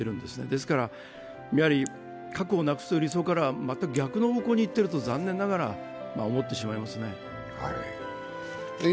ですから核をなくす理想からまた逆の方向にいっていると残念ながら思ってしまいますね。